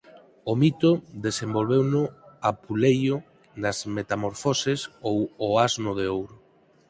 O mito desenvolveuno Apuleio nas "metamorfoses" ou "O asno de ouro".